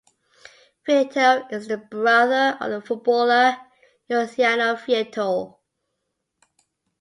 Vietto is the brother of the footballer Luciano Vietto.